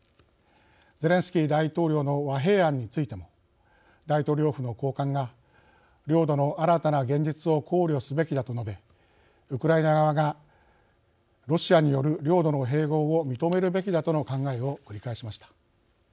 ゼレンスキー大統領の和平案についても大統領府の高官が「領土の新たな現実を考慮すべきだ」と述べウクライナ側がロシアによる領土の併合を認めるべきだとの考えを繰り返しました。